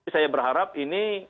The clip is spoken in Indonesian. saya berharap ini